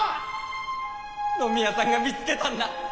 野宮さんが見つけたんだ！